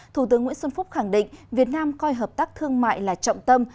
thủ tướng nguyễn xuân phúc khẳng định việt nam coi hợp tác thương mại là trọng tâm